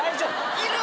いる？